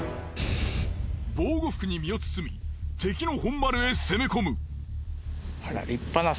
防護服に身を包み敵の本丸へ攻め込む。